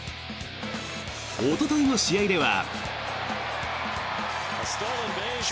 おとといの試合では。